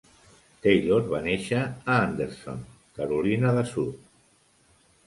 Taylor va néixer a Anderson, Carolina de Sud.